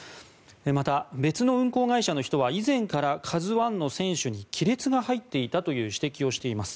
また別の運航会社の人は以前から「ＫＡＺＵ１」の船首に亀裂が入っていたという指摘をしています。